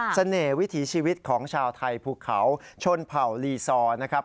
เสน่ห์วิถีชีวิตของชาวไทยภูเขาชนเผ่าลีซอร์นะครับ